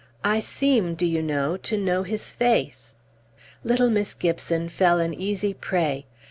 "I seem, do you know, to know his face?" Little Miss Gibson fell an easy prey.